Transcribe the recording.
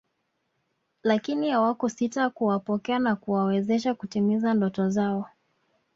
Lakini awakusita kuwapokea na kuwawezesha kutimiza ndoto zao